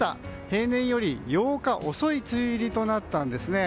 平年より８日遅い梅雨入りとなったんですね。